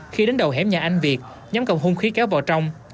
khi đến đầu hẻm nhà anh việt nhóm cầm hung khí kéo vào trong